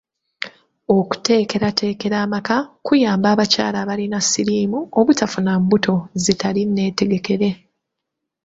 Okuteekerateekera amaka kuyamba abakyala abalina siriimu obutafuna mbuto zitali nneetegekere.